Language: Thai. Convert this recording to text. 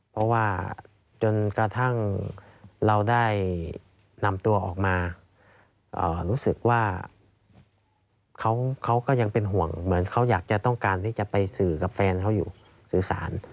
เพราะว่าจนกระทั่งเราได้นำตัวออกมารู้สึกว่าเขาก็ยังเป็นห่วงเหมือนเขาอยากจะต้องการที่จะไปสื่อกับแฟนเขาอยู่สื่อสาร